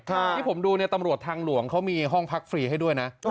ที่ผมดูเนี่ยตำรวจทางหลวงเขามีห้องพักฟรีให้ด้วยนะ